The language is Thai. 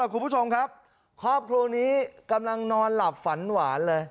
คุณผู้ชมครับครอบครัวนี้กำลังนอนหลับฝันหวานเลย